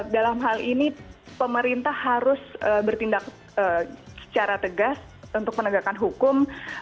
dalam hal ini pemerintah harus bertindak secara tegas untuk menegakkan hukum